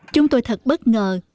chúng tôi thật bất ngờ